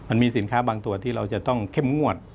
มันมีสินค้าบางตัวที่เราจะต้องเข้มงวด